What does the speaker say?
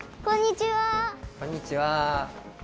こんにちは。